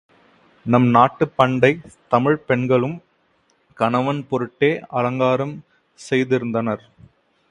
நம் நாட்டுப் பண்டைத் தமிழ்ப் பெண்களும், கணவன் பொருட்டே அலங்காரம் செய்திருந்தனர்.